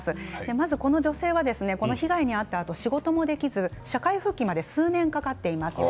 まず、この女性は被害に遭ったあと仕事もできず社会復帰まで数年かかっています。